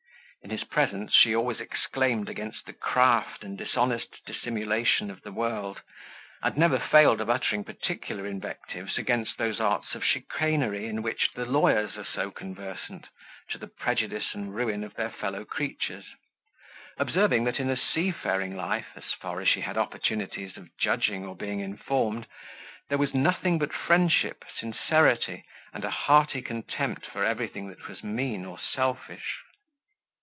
In his presence she always exclaimed against the craft and dishonest dissimulation of the world, and never failed of uttering particular invectives against those arts of chicanery in which the lawyers are so conversant, to the prejudice and ruin of their fellow creatures; observing that in a seafaring life, as far as she had opportunities of judging or being informed, there was nothing but friendship, sincerity, and a hearty contempt for everything that was mean or selfish.